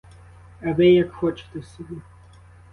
А ви як хочете собі.